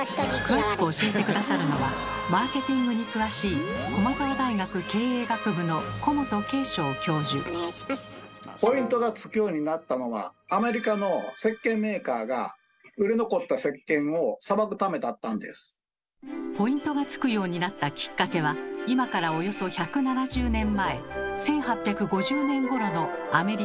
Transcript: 詳しく教えて下さるのはマーケティングに詳しいポイントがつくようになったきっかけは今からおよそ１７０年前１８５０年ごろのアメリカ・ニューヨーク。